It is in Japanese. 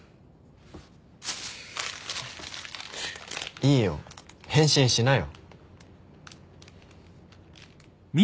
いいよ返信しなよ。